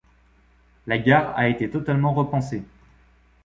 La gare a été totalement repensée.